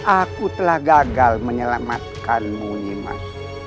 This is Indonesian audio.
aku telah gagal menyelamatkanmu nyimas